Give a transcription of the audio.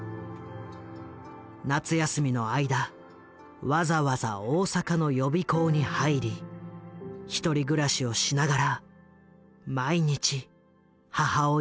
夏休みの間わざわざ大阪の予備校に入り１人暮らしをしながら毎日母親に会いに来たのだ。